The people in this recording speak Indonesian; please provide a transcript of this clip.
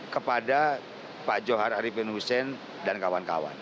kepada pak johar arifin hussein dan kawan kawan